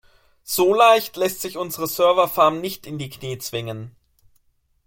So leicht lässt sich unsere Serverfarm nicht in die Knie zwingen.